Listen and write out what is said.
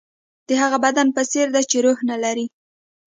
د هغه بدن په څېر ده چې روح نه لري.